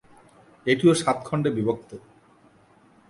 এটিও সাত খণ্ডে বিভক্ত।